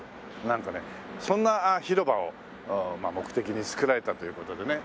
なんとねそんな広場を目的に造られたという事でね。